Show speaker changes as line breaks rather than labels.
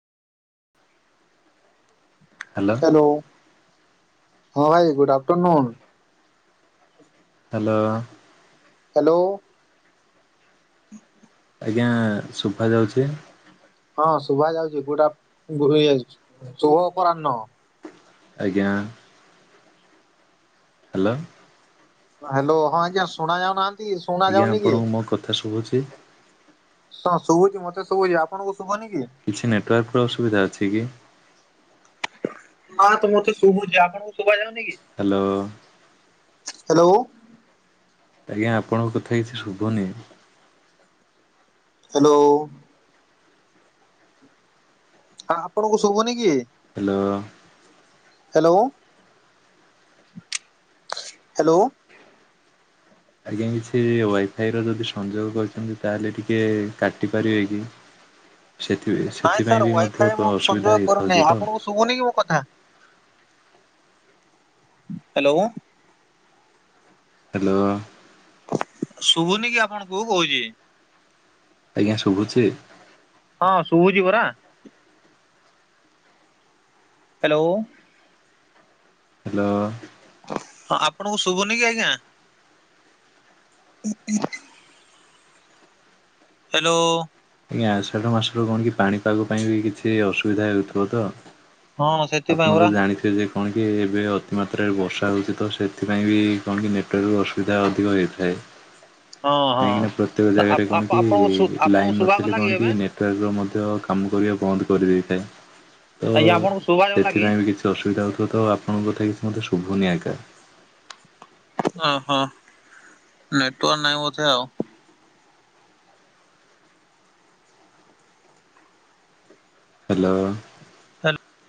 Hello.
Hello ହଁ ଭାଇ good afternoon.
Hello.
Hello.
ଆଜ୍ଞା ଶୁଭା ଯାଉଛି।
ହଁ ଶୁଭ ଯାଉଛି [inaudible] ଇ ଶୁଭ ଅପରାହ୍ନ।
ଆଜ୍ଞା ହ୍ୟାଲୋ।
ହ୍ୟାଲୋ ହଁ ଆଜ୍ଞା ଶୁଣା ଯାଉନାହାନ୍ତି। ଶୁଣା
ଆଜ୍ଞା
ଯାଉନି କି?
ଆପଣଙ୍କୁ ମୋ କଥା ଶୁଭୁଛି।
ହଁ ଶୁଭୁଛି ମତେ ଶୁଛି ଆପଣଙ୍କୁ ଶୁଭନି କି?
କିଛି ନେଟୱାର୍କର ଅସୁବିଧା ଅଛି କି?
ହଁତ ମତେ ଶୁଭୁଛି ଆପଣଙ୍କୁ ଶୁଭ ଯାଉନି କି
ହ୍ୟାଲୋ
ହ୍ୟାଲୋ।
ଆଜ୍ଞା ଆପଣଙ୍କ କଥା କିଛି ଶୁଭୁନି
ହ୍ୟାଲୋ। ହଁ ଆପଣଙ୍କୁ ଶୁଭୁନି କି?
ହ୍ୟାଲୋ।
Hello hello.
ଆଜ୍ଞା କିଛି ୱାଇଫାଇ ର ଯଦି ସଂଯୋଗ କରିଛନ୍ତି ତାହେଲେ ଟିକେ କାଟି ପାରିବେ କି? ସେଥି
ନାଇଁ ସାର୍
ସେଥିପାଇଁ ବି ମଧ୍ୟ
ୱାଇଫାଇ ମୁଁ ସଂଯୋଗ
ଅସୁବିଧା
କରୁନି
ହେଇଥାଉଛି ତ।
ଆପଣଙ୍କୁ ଶୁଭୁନି କି ମୋ କଥା ହ୍ୟାଲୋ।
ହ୍ୟାଲୋ।
ଶୁଭୁନି କି ଆପଣଙ୍କୁ କହୁଛି।
ଆଜ୍ଞା ଶୁଭୁଛି।
ହଁ ଶୁଭୁଯି ପରା। ହ୍ୟାଲୋ।
ହ୍ୟାଲୋ।
ହଁ ଆପଣଙ୍କୁ ଶୁଭୁନି କି ଆଜ୍ଞା। ହ୍ୟାଲୋ।
ଆଜ୍ଞା ଆଷାଢ ମାସରୁ କଣ କି ପାଣିପାଗ ପାଇଁ ବି କିଛି ଅସୁବିଧା ହେଉଥିବ ତ।
ହଁ ସେଥିପାଇଁ
ଆପଣ ତ
ପରା
ଜାଣିଥ ସେ ଯେ କଣ କି ଏବେ ଅତିମାତ୍ରାରେ ବର୍ଷା ହେଉଛି ତ ସେଥିପାଇଁ ବି କଣ କି ନେଟୱାର୍କରୁ ଅସୁବିଧା ଅଧିକ ହୋଇଥାଏ।
ହଁ ହଁ।
କାହିଁକି ନା ପ୍ରତ୍ୟେକ
ଆ
ଜାଗାରେ
ଆପ
କଣ କି
ଆପଣଙ୍କୁ ଶୁ ଆପଣଙ୍କୁ
ଲାଇନ ନଥାଏ।
ଶୁଭାଗଲା
କଣ କି
ଏବେ
ନେଟୱର୍କର ର ମଧ୍ୟ କାମ କରିବା ବନ୍ଦ କରିଦେଇଥାଏ। ତ
ଆଜ୍ଞା ଆପଣଙ୍କୁ ଶୁଭାଗଲା କି?
ସେଥିପାଇଁ ବି କିଛି ଅସୁବିଧା ହଉଥିବ ତ ଆପଣଙ୍କ କଥା କିଛି ମତେ ଶୁଭୁନି ଆଜ୍ଞା।
ଓଃ ହୋ ନେଟୱାର୍କ ନାଇଁ ବୋଧେ ଆଉ।
ହ୍ୟାଲୋ।
ହ୍ୟାଲୋ।